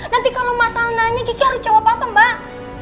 nanti kalau masalah nanya kiki harus jawab apa apa mbak